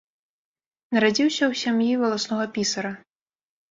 Нарадзіўся ў сям'і валаснога пісара.